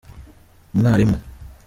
umwarimu.